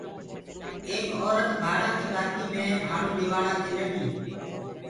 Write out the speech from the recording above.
ايڪ اورت ڀاڙآ ڪي ٻآتي مي ڀآڙو ليوآݪآ دي لڙگي